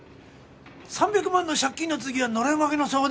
３００万の借金の次はのれん分けの相談？